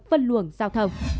phân luồng giao thông